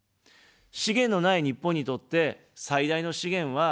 資源のない日本にとって最大の資源は人材です。